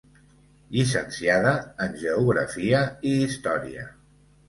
Llicenciada en Geografia i Història.